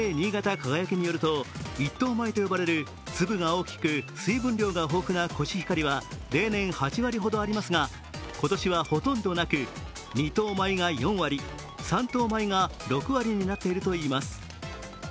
かがやきによると１等米と呼ばれる粒が大きく、水分量が豊富なコシヒカリは例年８割ほどありますが、今年はほとんどなく、２等米が４割、３等米が６割になっているといいます。